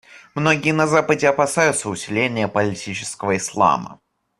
Многие на Западе опасаются усиления политического Ислама.